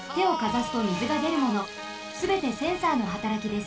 すべてセンサーのはたらきです。